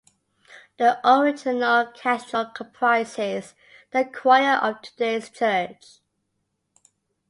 The original cathedral comprises the choir of today's church.